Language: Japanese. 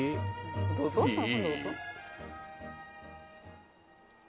どうぞどうぞいい？